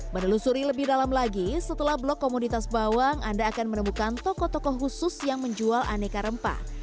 menelusuri lebih dalam lagi setelah blok komoditas bawang anda akan menemukan toko toko khusus yang menjual aneka rempah